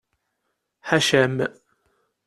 Ḥaca-m!